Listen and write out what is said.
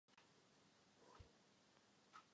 Skončil tak i v pozici radního městského obvodu.